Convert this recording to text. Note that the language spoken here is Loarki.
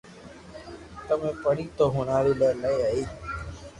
ٿني پڙي تو ھڻَاوي لي ڀائي